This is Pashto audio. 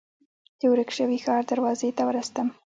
د ورک شوي ښار دروازې ته ورسېدم.